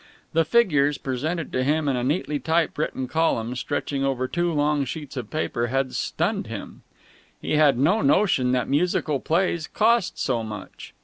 The figures, presented to him in a neatly typewritten column stretching over two long sheets of paper, had stunned him. He had had no notion that musical plays cost so much.